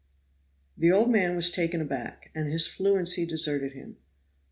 The old man was taken aback and his fluency deserted him.